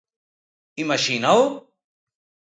¿Imaxínao?